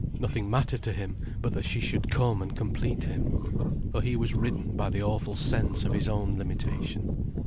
Nothing mattered to him but that she should come and complete him. For he was ridden by the awful sense of his own limitation.